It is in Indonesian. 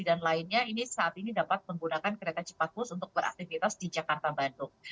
dan lainnya ini saat ini dapat menggunakan kereta cepat bus untuk beraktivitas di jakarta bandung